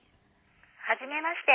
☎はじめまして。